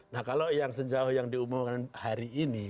nah kalau yang sejauh yang diumumkan hari ini